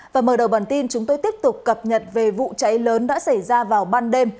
và mở đầu bản tin chúng tôi tiếp tục cập nhật về vụ cháy lớn đã xảy ra vào ban đêm